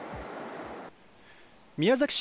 宮崎市